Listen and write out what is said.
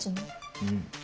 うん。